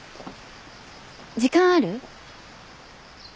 時間ある？